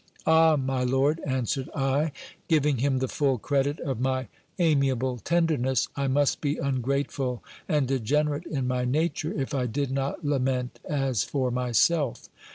Ah ! my lord, answered I, giving him the full credit of my amiable tenderness, I must be ungrateful and degenerate in my nature if I did not lament as for myself.